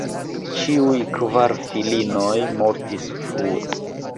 Ĉiuj kvar filinoj mortis frue.